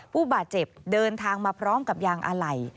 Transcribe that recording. ผู้บาดเจ็บเดินทางมาพร้อมกับยางอะไหล่